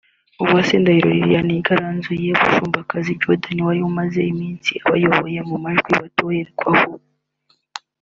Uwase Ndahiro Liliane yigaranzuye Mushombakazi Jordan wari umaze iminsi abayoboye mu majwi batorerarwaho